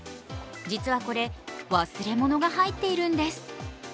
実はこれ、忘れ物が入っているんです。